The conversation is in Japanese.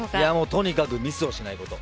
とにかくミスをしないこと。